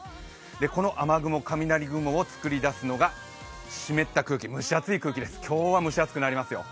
この雨雲、雷雲をつくりだすのが湿った空気、蒸し暑い空気です、今日は蒸し暑くなりますよ。